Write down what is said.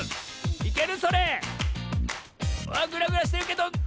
いける？